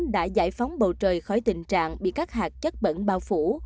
đã giải phóng bầu trời khỏi tình trạng bị các hạt chất bẩn bao phủ